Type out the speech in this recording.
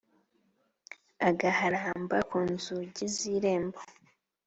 agaharamba ku nzugi z’irembo